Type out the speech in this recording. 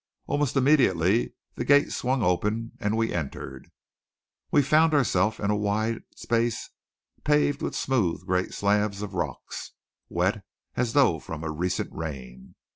Almost immediately the gate swung open and we entered. We found ourselves in a wide space paved with smooth great slabs of rocks, wet as though from a recent rain.